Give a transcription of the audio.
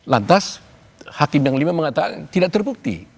lantas hakim yang lima mengatakan tidak terbukti